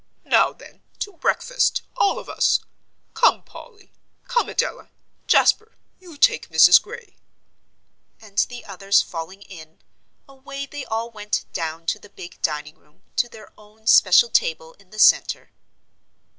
Now then, to breakfast, all of us! Come, Polly come, Adela Jasper, you take Mrs. Gray," and the others falling in, away they all went down to the big dining room, to their own special table in the centre.